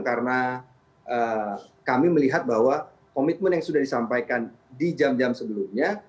karena kami melihat bahwa komitmen yang sudah disampaikan di jam jam sebelumnya